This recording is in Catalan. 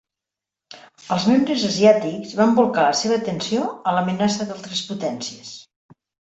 Els membres asiàtics van bolcar la seva atenció a l'amenaça d'altres potències.